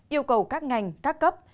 yêu cầu các ngành các cấp